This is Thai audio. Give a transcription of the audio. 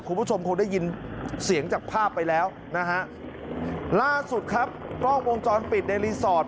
คุณผู้ชมคงได้ยินเสียงจากภาพไปแล้วนะฮะล่าสุดครับกล้องวงจรปิดในรีสอร์ท